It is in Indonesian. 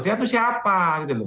dia itu siapa gitu loh